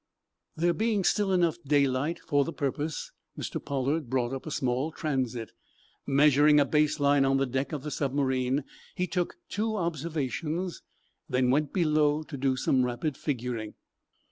There being still enough daylight for the purpose, Mr. Pollard brought up a small transit. Measuring a base line on the deck of the submarine, he took two observations, then went below to do some rapid figuring.